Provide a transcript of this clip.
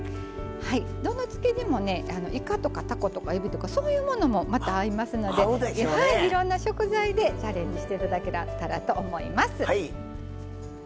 どの漬け地もねいかとかたことかえびとかそういうものもまた合いますのでいろんな食材でチャレンジして頂けたらと思います。